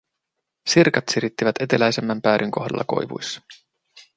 Sirkat sirittävät eteläisemmän päädyn kohdalla koivuissa.